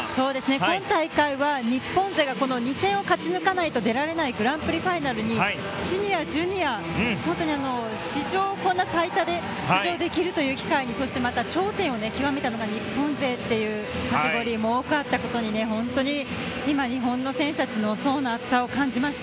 今大会は日本勢がこの２戦を勝ち抜かないと出られないグランプリファイナルにシニア、ジュニア本当に史上、こんな最多で出場できるという機会にそしてまた頂点を極めたのが日本勢というカテゴリーも多かったことに本当に今、日本の選手たちの層の厚さを感じました。